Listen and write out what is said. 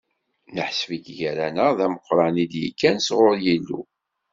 Neḥseb-ik gar-aneɣ d ameqran i d-ikkan sɣur Yillu.